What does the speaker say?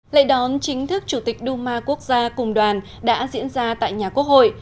lệ đón chính thức chủ tịch đu ma quốc gia cùng đoàn đã diễn ra tại nhà quốc hội